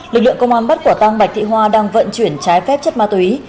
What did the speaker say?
lực lượng công an bắt quả tang bạch thị hoa đang vận chuyển trái phép chất ma túy